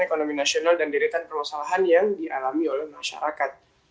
ekonomi nasional dan diri tanpa masalahan yang dialami oleh masyarakat